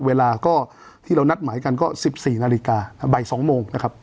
เวลาก็ที่เรานัดหมายกันก็สิบสี่นาฬิกาใบสองโมงนะครับ